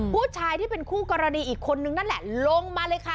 ผู้ชายที่เป็นคู่กรณีอีกคนนึงนั่นแหละลงมาเลยค่ะ